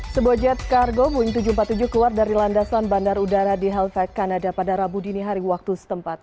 sebuah jet kargo boeing tujuh ratus empat puluh tujuh keluar dari landasan bandar udara di helvac kanada pada rabu dini hari waktu setempat